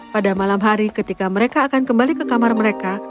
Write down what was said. pada malam hari ketika mereka akan kembali ke kamar mereka